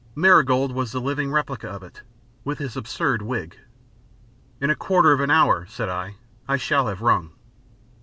Marigold was the living replica of it with his absurd wig. "In a quarter of an hour," said I, "I shall have rung."